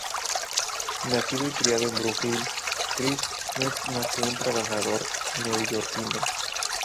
Nacido y criado en Brooklyn, Chris no es más que un trabajador neoyorquino.